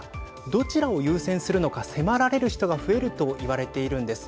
どちらを優先するのか迫られる人が増えるといわれているんです。